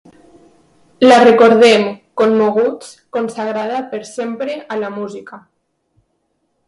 La recordem, commoguts, consagrada per sempre a la música.